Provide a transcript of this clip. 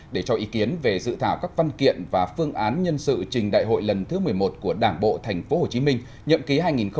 để cho ý kiến về dự thảo các văn kiện và phương án nhân sự trình đại hội lần thứ một mươi một của đảng bộ tp hcm nhậm ký hai nghìn hai mươi hai nghìn hai mươi năm